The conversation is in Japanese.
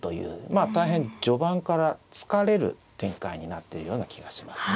まあ大変序盤から疲れる展開になってるような気がしますね。